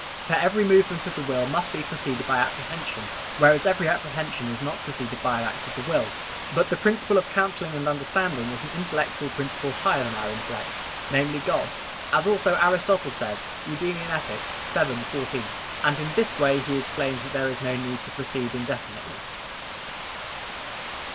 For every movement of the will must be preceded by apprehension, whereas every apprehension is not preceded by an act of the will; but the principle of counselling and understanding is an intellectual principle higher than our intellect namely, God as also Aristotle says (Eth. Eudemic. vii, 14), and in this way he explains that there is no need to proceed indefinitely.